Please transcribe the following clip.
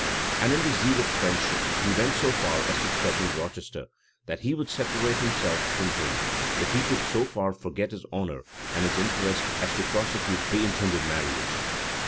And in the zeal of friendship, he went so far as to threaten Rochester, that he would separate himself forever from him, if he could so far forget his honor and his interest as to prosecute the intended marriage.